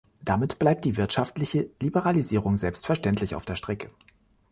Damit bleibt die wirtschaftliche Liberalisierung selbstverständlich auf der Strecke.